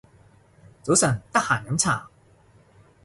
早晨，得閒飲茶